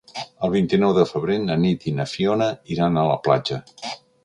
El vint-i-nou de febrer na Nit i na Fiona iran a la platja.